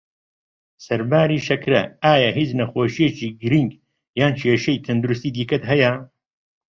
سەرباری شەکره، ئایا هیچ نەخۆشیەکی گرنگ یان کێشەی تەندروستی دیکەت هەیە؟